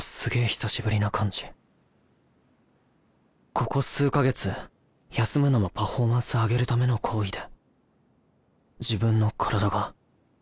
ここ数か月休むのもパフォーマンス上げるための行為で・